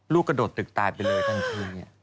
ลูกกระโดดตึกตายไปเลยทั้งชีวิตตอนหน้าตอบตา